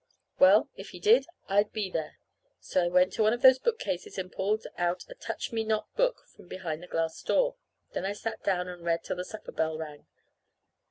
Well, if he did, I'd be there. So I went to one of those bookcases and pulled out a touch me not book from behind the glass door. Then I sat down and read till the supper bell rang.